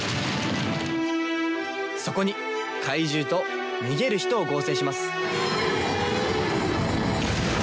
そこに怪獣と逃げる人を合成します。